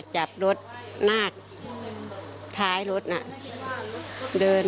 จับรถนาคท้ายรถน่ะเดิน